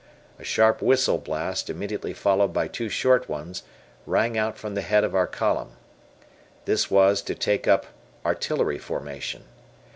A sharp whistle blast, immediately followed by two short ones, rang out from the head of our column. This was to take up "artillery formation."